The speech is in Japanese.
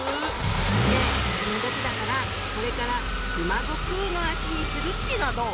ねえ気の毒だからこれから「熊悟空の脚」にするってのはどう？